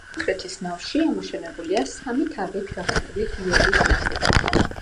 სამხრეთის ნავში ამოშენებულია სამი თაღით გახსნილი ღიობის ნაწილი.